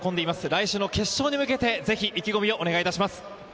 来週の決勝に向けて意気込みをお願いします。